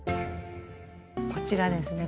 こちらですね